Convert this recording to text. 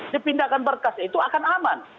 dipindahkan berkas itu akan aman